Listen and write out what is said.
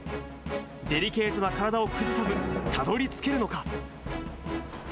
デリケートな体を崩さずたどりつけるのか？